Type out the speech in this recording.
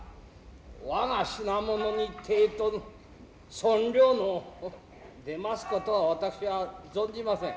我品物に抵当の損料の出ますことは私は存じません。